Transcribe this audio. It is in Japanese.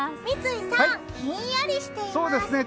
三井さん、ひんやりしています。